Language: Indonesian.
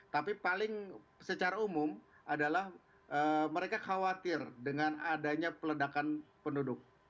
tapi paling secara umum adalah mereka khawatir dengan adanya peledakan penduduk